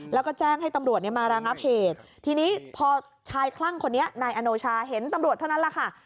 แล้วก็แจ้งให้ตำรวจเนี่ยมาระงับเหตุทีนี้พอชายคลั่งคนนี้นายอโนชาเห็นตำรวจเท่านั้นแหละค่ะ